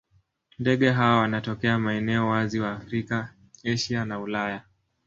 Ndege hawa wanatokea maeneo wazi wa Afrika, Asia na Ulaya.